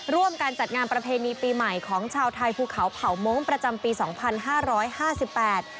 ร่วมการจัดงานประเพณีปีใหม่ของชาวไทยภูเขาเผ่าโม้งประจำปีสองพันห้าร้อยห้าสิบแปด